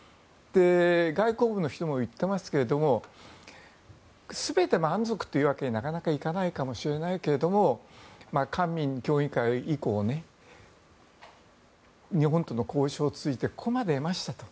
外交部の人も言っていますが全て満足というわけにはなかなかいかないかもしれないけども官民協議会以降日本との交渉についてここまで出ましたと。